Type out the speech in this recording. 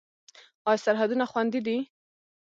آیا سرحدونه خوندي دي؟